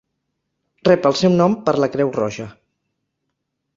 Rep el seu nom per la Creu Roja.